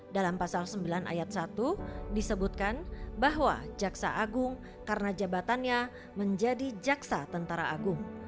dalam pasal sembilan ayat satu disebutkan bahwa jaksa agung karena jabatannya menjadi jaksa tentara agung